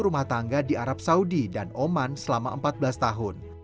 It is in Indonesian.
rumah tangga di arab saudi dan oman selama empat belas tahun